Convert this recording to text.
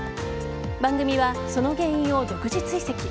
番組は、その原因を独自追跡。